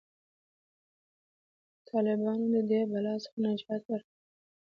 طالبانو د دې بلا څخه نجات ورکړ.